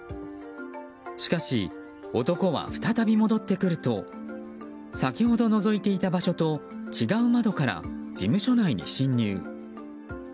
しかし、男は再び戻ってくると先ほどのぞいていた場所と違う窓から事務所内に侵入。